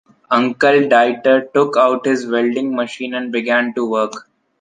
Uncle Dieter took out his welding machine and began to work.